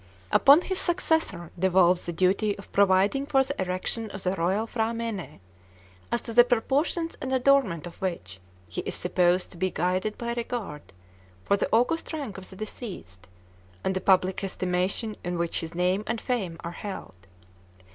Upon his successor devolves the duty of providing for the erection of the royal P'hra mène as to the proportions and adornment of which he is supposed to be guided by regard for the august rank of the deceased, and the public estimation in which his name and fame are held.